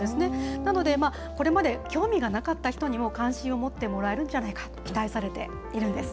なので、これまで興味がなかった人にも関心を持ってもらえるんじゃないかと期待されているんです。